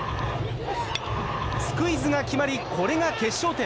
スクイズが決まりこれが決勝点。